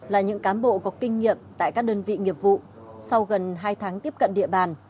là những cán bộ có kinh nghiệm tại các đơn vị nghiệp vụ sau gần hai tháng tiếp cận địa bàn